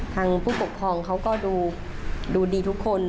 ผู้ปกครองเขาก็ดูดีทุกคน